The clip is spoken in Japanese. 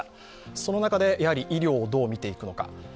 その中で、やはり医療をどう見ていくのか。